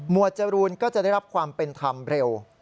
จรูนก็จะได้รับความเป็นธรรมเร็ว